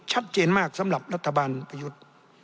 ชัดเจนมากสำหรับรัฐบาลประยุทธ์